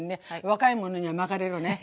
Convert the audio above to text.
若い者には巻かれろね。